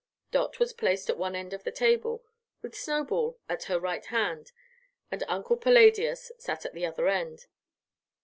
Dot was placed at one end of the table, with Snowball at her right hand, and Uncle Palladius sat at the other end.